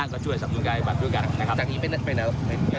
ก็ช่วยสับสนการรับด้วยกันนะครับ